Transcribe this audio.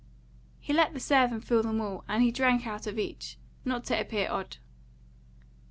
He let the servant fill them all, and he drank out of each, not to appear odd.